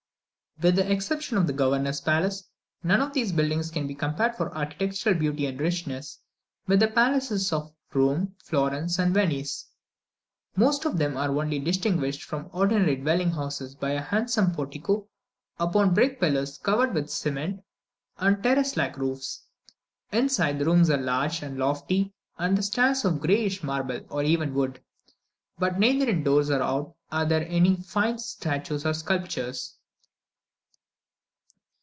With the exception of the governor's palace, none of these buildings can be compared for architectural beauty and richness with the large palaces of Rome, Florence, and Venice. Most of them are only distinguished from ordinary dwelling houses by a handsome portico upon brick pillars covered with cement, and terrace like roof's. Inside, the rooms are large and lofty, and the stairs of greyish marble or even wood; but neither in doors or out are there any fine statues or sculptures.